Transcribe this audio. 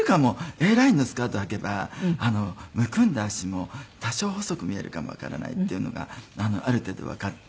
Ａラインのスカートをはけばむくんだ足も多少細く見えるかもわからないっていうのがある程度わかって。